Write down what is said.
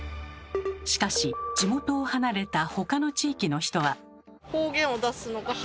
しかし地元を離れたほかの地域の人は。